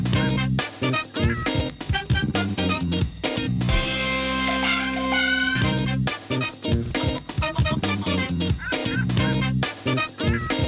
สวัสดีครับ